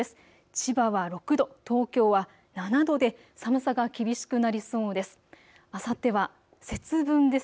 千葉は６度、東京は７度で寒さが厳しくなりそうです。